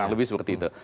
lebih seperti itu